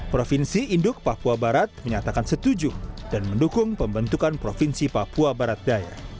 provinsi induk papua barat menyatakan setuju dan mendukung pembentukan provinsi papua barat daya